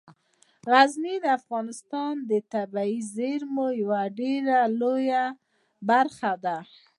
غزني د افغانستان د طبیعي زیرمو یوه ډیره لویه برخه ده.